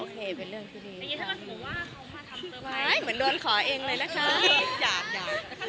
ถ้าเค้าทำสุขประฟัทของเราเราต้องขอเลยนะ